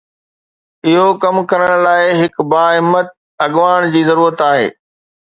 اهو ڪم ڪرڻ لاء هڪ باهمت اڳواڻ جي ضرورت آهي.